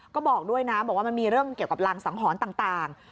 ก็บอกด้วยนะบอกว่ามันมีเรื่องเกี่ยวกับรังสังหรณ์ต่าง